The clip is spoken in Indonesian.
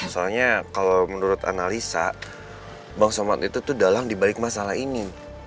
soalnya kalau menurut analisa bang somad itu tuh dalang dibalik masalah ini